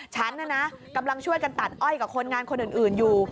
ฉันน่ะนะกำลังช่วยกันตัดอ้อยกับคนงานคนอื่นอยู่